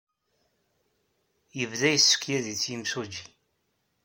Yebda yessekyad-itt yimsujji.